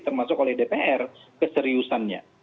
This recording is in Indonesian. termasuk oleh dpr keseriusannya